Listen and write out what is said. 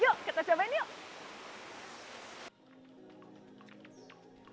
yuk kita cobain yuk